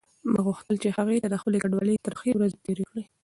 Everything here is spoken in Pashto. ما غوښتل چې هغې ته د خپلې کډوالۍ ترخې ورځې تېرې کړم.